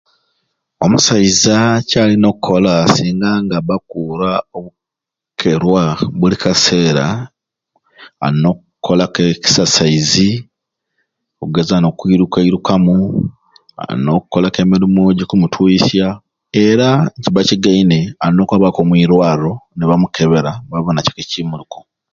Omusaiza kyalina okukoola singa nga aba akuura okukeerwa buli kaseera alina okolaku ekisasaizi, ogeza nokuiruka irukamu, alina okolaku emirimu ejikumutuyiisya era nikiba kigaine alina okwabaku omuirwaro nibamukebera nibabona ciki ecimuluku.